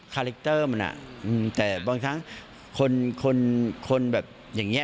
คาแรคเตอร์มันแต่บางทั้งคนแบบอย่างนี้